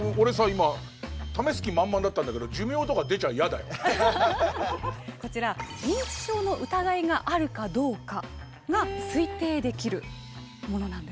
今試す気満々だったんだけどこちら認知症の疑いがあるかどうかが推定できるものなんです。